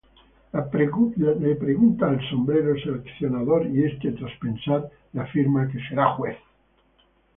Le pregunta al sombrero seleccionador, y este, tras pensar, le afirma que será juez.